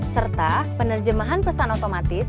serta penerjemahan pesan otomatis